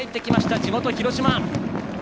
地元・広島。